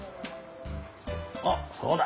おっそうだ。